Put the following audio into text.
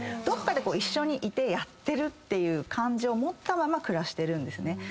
どっかで一緒にいてやってるっていう感情を持ったまま暮らしてるんですね。